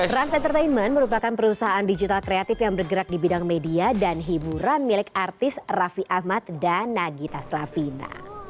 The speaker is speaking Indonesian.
run entertainment merupakan perusahaan digital kreatif yang bergerak di bidang media dan hiburan milik artis raffi ahmad dan nagita slavina